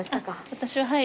私ははい。